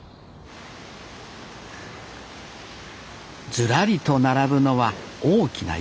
ずらりと並ぶのは大きな生けす。